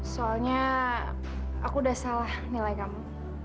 soalnya aku udah salah nilai kamu